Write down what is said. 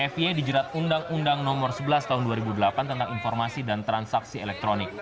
f y dijerat undang undang nomor sebelas tahun dua ribu delapan tentang informasi dan transaksi elektronik